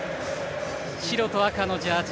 白と赤のジャージ